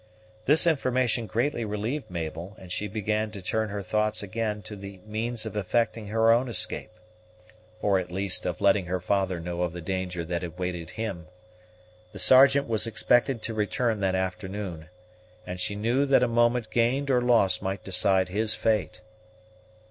This information greatly relieved Mabel, and she began to turn her thoughts again to the means of effecting her own escape, or at least of letting her father know of the danger that awaited him. The Sergeant was expected to return that afternoon, and she knew that a moment gained or lost might decide his fate.